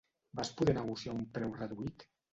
Vas poder negociar un preu reduït?